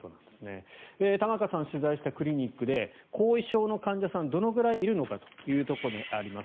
玉川さん取材したクリニックで後遺症の患者さんがどれくらいいるのかというところになります。